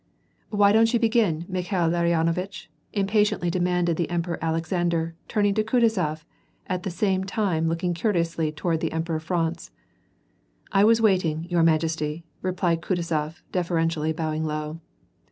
"Why don't you begin, Mikhail Larionovitch ?" impatiently demanded the Emperor Alexander, turning to Kutuzof, at the same time looking courteously toward the Emperor Franz. " I was waiting, your majesty," replied Kutuzof, deferenti ally bowing low.